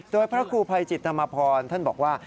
โดยพระครูภัยจิตธรรมพรท่านบอกว่า